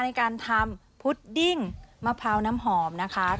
ในการทำพุดดิ้งมะพร้าวน้ำหอมนะคะ